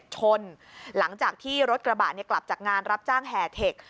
ชนหลังจากที่รถกระบะกลับจากงานรับจ้างแห่เทค